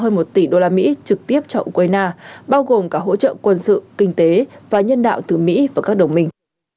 tổng thống biden đã đặt một tỷ đô la mỹ trực tiếp cho ukraine bao gồm cả hỗ trợ quân sự kinh tế và nhân đạo từ mỹ và các đồng minh